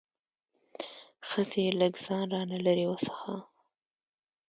ښځې لږ ځان را نه لرې وڅښاوه.